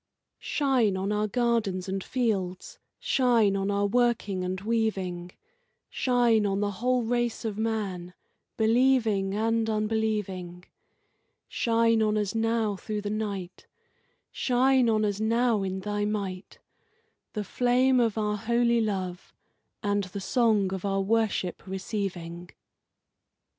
Shine on our gardens and fields, shine on our working and waving; Shine on the whole race of man, believing and unbelieving; Shine on us now through the night, Shine on us now in Thy might, The flame of our holy love and the song of our worship receiving.